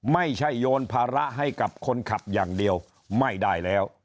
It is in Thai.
โยนภาระให้กับคนขับอย่างเดียวไม่ได้แล้ว